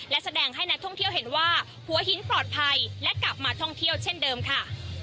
และแสดงให้นักท่องเที่ยวเห็นว่าหัวหินปลอดภัยและกลับมาท่องเที่ยวเช่นเดิมค่ะ